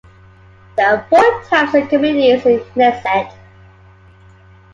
There are four types of committees in the Knesset.